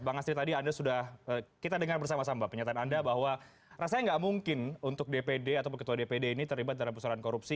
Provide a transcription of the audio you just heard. bang astri tadi anda sudah kita dengar bersama sama penyataan anda bahwa rasanya nggak mungkin untuk dpd atau ketua dpd ini terlibat dalam pusaran korupsi